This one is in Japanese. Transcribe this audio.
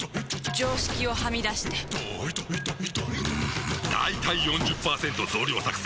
常識をはみ出してんだいたい ４０％ 増量作戦！